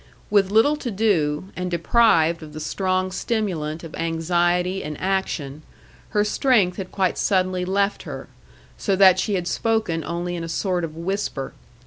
With little to do, and deprived of the strong stimulant of anxiety and action, her strength had quite suddenly left her, so that she had spoken only in a sort of whisper.